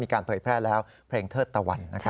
มีการเผยแพร่แล้วเพลงเทิดตะวันนะครับ